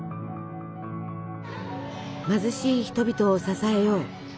貧しい人々を支えよう。